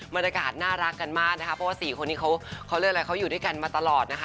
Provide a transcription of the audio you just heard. บรรยากาศน่ารักกันมากนะคะเพราะว่าสี่คนนี้เขาเรียกอะไรเขาอยู่ด้วยกันมาตลอดนะคะ